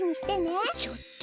ちょっと。